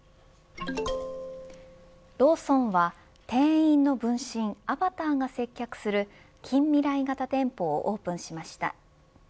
ローソンは店員の分身アバターが接客する近未来型店舗をオープンしました。